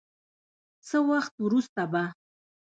څه وخت وروسته به